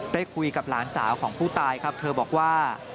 ได้คุยกับหลานสาวของผู้ตายครับเธอบอกว่า